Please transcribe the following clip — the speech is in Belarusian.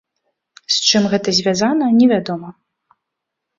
З чым гэта звязана невядома.